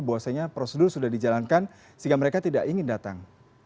bahwasanya prosedur sudah dijalankan sehingga mereka tidak ingin datang